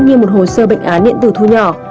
như một hồ sơ bệnh án điện tử thu nhỏ